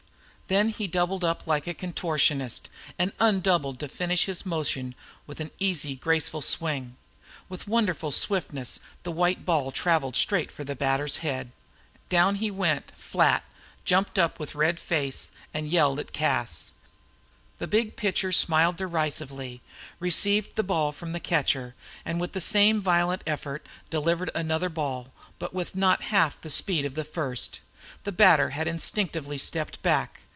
Then he doubled up like a contortionist and undoubled to finish his motion with an easy, graceful swing. With wonderful swiftness the white ball travelled straight for the batter's head. Down he fell flat, jumped up with red face and yelled at Cas. The big pitcher smiled derisively, received the ball from the catcher, and with the same violent effort delivered another ball, but with not half the speed of the first. The batter had instinctively stepped back.